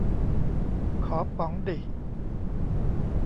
ขอป๋องดิ